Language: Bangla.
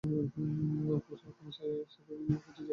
প্রফেশনাল কোনো সাইকিয়াট্রিস্টের কাছে যাওয়াই ভালো ছিল।